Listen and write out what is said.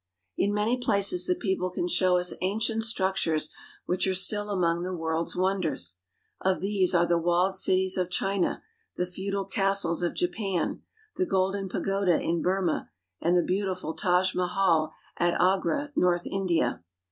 In many places the people can show us ancient struc tures which are still among the world's wonders. Of these are the walled cities of China, the feudal castles of Japan, the Golden Pagoda in Burma, and the beautiful Taj Mahal at Agra, North India.